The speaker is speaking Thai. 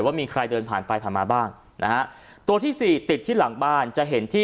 ว่ามีใครเดินผ่านไปผ่านมาบ้างนะฮะตัวที่สี่ติดที่หลังบ้านจะเห็นที่